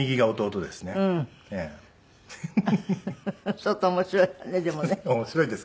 相当面白いわねでもね。